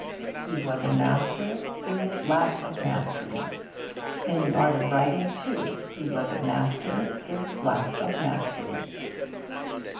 He was a master through his lack of mastery. In the art of writing, too, he was a master through his lack of mastery.